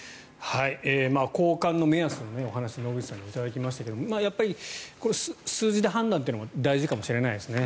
交換の目安のお話野口さんにしていただきましたがやっぱり数字で判断というのは大事かもしれないですね。